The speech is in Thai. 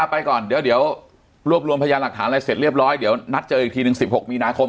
ไปก่อนเดี๋ยวรวบรวมพยานหลักฐานอะไรเสร็จเรียบร้อยเดี๋ยวนัดเจออีกทีหนึ่ง๑๖มีนาคม